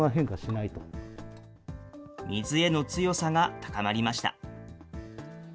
水への強さが高まりました。